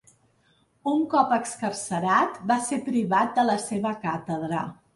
Un cop excarcerat va ser privat de la seva càtedra.